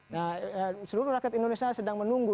nah seluruh rakyat indonesia sedang menunggu